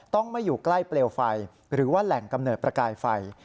ต้องไม่อยู่ใกล้เปลวไฟหรือว่าแหล่งกำเนิดประกายไฟ